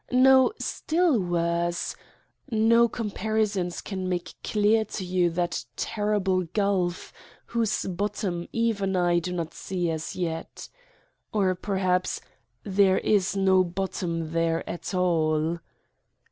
... No, still worse ! No comparisons can make clear to you that ter rible gulf whose bottom even I do not see as yet. Or, perhaps, there is no bottom there at all.